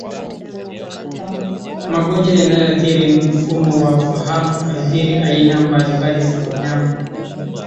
Magonjwa yanayoathiri mfumo wa fahamu huathiri aina mbalimbali za wanyama